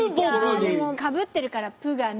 でもかぶってるから「プ」がね。